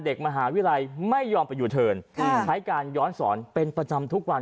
เด็กมหาวิทยาลัยไม่ยอมไปยูเทิร์นใช้การย้อนสอนเป็นประจำทุกวัน